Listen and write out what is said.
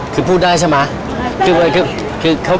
คือพูดได้ใช่ไหม